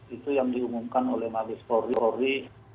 itu yang diumumkan oleh mabes fori